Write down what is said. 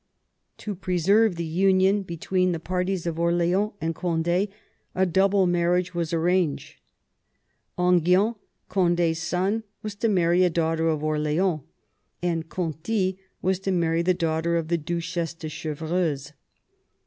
To preserve the union between the parties of Orleans and Cond^ a double marriage was arranged. Enghien, Condi's son, was to marry a daughter of Orleans, and Conti was to marry the daughter of the Duchess of Chevreuse.